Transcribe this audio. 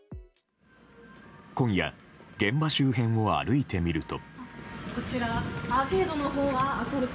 今夜、現場周辺を歩いてみると。